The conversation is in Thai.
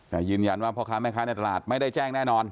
แต่ยืนยันว่าพ่อค้าแม่ค้าในตลาดไม่ได้แจ้งแน่นอน